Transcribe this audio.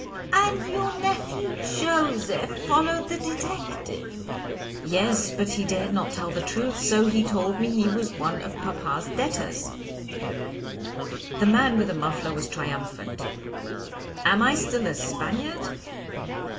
'" "And your nephew Joseph followed the detective?" "Yes, but he dared not tell the truth, so he told me he was one of papa's debtors.' The man with the muffler was triumphant. 'Am I still a Spaniard?'